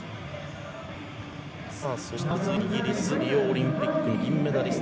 そして続いてはイギリスリオオリンピックの銀メダリスト。